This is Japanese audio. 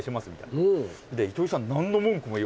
糸井さん。